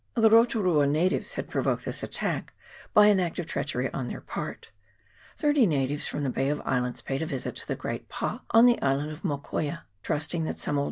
The Rotu rua natives had provoked this attack by an act of treachery on their part : thirty natives from the Bay of Islands paid a visit to the great pa on the island of Mokoia, trusting that some old CHAP.